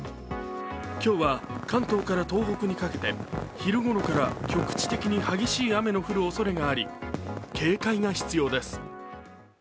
今日は関東から東北にかけて昼ごろから局地的に激しい雨の降るおそれがあり警戒が必要です。